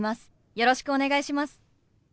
よろしくお願いします。